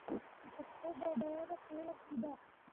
د پښتو بډاینه په علم کې ده.